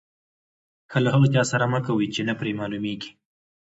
ښه له هغه چا سره مه کوئ، چي نه پر معلومېږي.